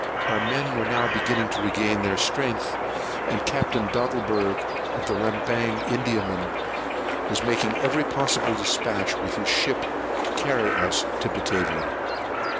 Our men were now beginning to regain their strength; and Captain Dadleberg of the Rembang Indiaman was making every possible dispatch with his ship to carry us to Batavia.